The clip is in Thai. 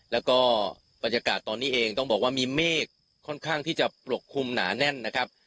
แล้วก็บรรยากาศตอนนี้เองต้องบอกว่ามีเมฆค่อนข้างที่จะปกคลุมหนาแน่นนะครับ